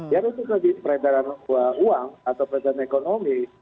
ya tentu tadi peredaran uang atau peredaran ekonomi